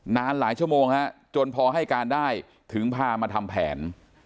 นานหลายชั่วโมงฮะจนพอให้การได้ถึงพามาทำแผน